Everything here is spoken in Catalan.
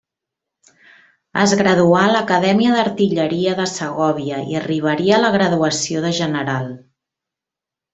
Es graduà a l'Acadèmia d'Artilleria de Segòvia i arribaria a la graduació de general.